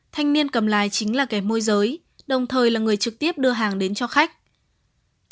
thanh niên cầm lái chính là kẻ môi giới đồng thời là người trực tiếp đưa hàng đến cho khách